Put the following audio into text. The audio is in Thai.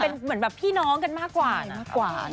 เป็นเหมือนแบบพี่น้องกันมากกว่านะ